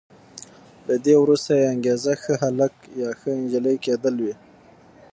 له دې وروسته یې انګېزه ښه هلک یا ښه انجلۍ کېدل وي.